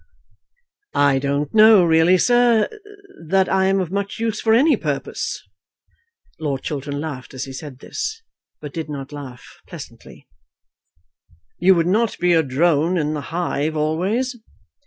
"I don't know really, sir, that I am of much use for any purpose." Lord Chiltern laughed as he said this, but did not laugh pleasantly. "You would not be a drone in the hive always?"